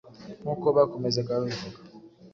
Nk’uko bakomeza babivuga,